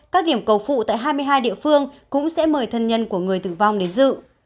các điểm cầu phụ tại hai mươi hai địa phương cũng sẽ mời thân nhân của người tử vong đến dự